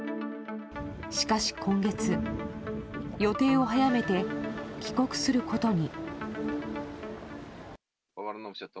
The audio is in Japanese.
しかし今月、予定を早めて帰国することに。